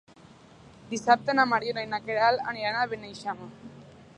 Dissabte na Mariona i na Queralt aniran a Beneixama.